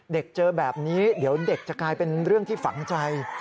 เจอแบบนี้เดี๋ยวเด็กจะกลายเป็นเรื่องที่ฝังใจ